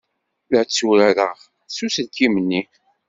La tturareɣ s uselkim-nni.